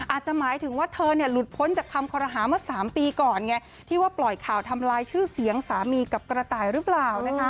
อาจจะหมายถึงว่าเธอหลุดพ้นจากคำคอรหามา๓ปีก่อนไงที่ว่าปล่อยข่าวทำลายชื่อเสียงสามีกับกระต่ายหรือเปล่า